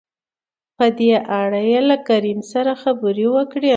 په دې اړه يې له کريم سره خبرې وکړې.